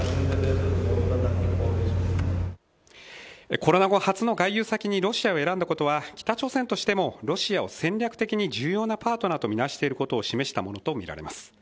コロナ後初の外遊先にロシアを選んだことは北朝鮮としてもロシアを戦略的に重要なパートナーとみなしていることを示したものとみられます